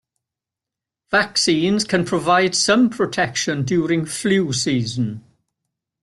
Vaccines can provide some protection during flu season.